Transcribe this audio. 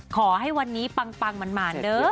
ขอให้วันนี้ปังหมานเด้อ